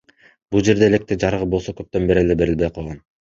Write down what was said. Бул жерде электр жарыгы болсо көптөн бери эле берилбей калган.